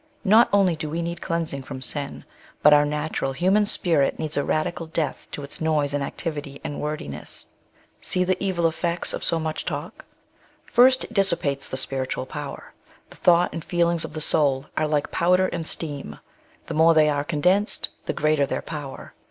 Not only do we need cleansing from sin, but our natural human spirit needs a radical death to its noise and activit}^ and w^ordiness. See the evil effects of so much talk. 58 SOUL FOOD. First, it dissipates the spiritual power. The thought and feelings of the soul are like powder and steam — the more they are^ condensed, the greater their power.